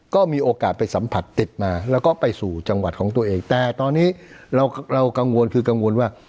ก็มีโอกาสไปสัมผัสติดมาแล้วก็ไปสู่จังหวัดของตัวเองแต่ตอนนี้เรากังวลคือกังวลว่า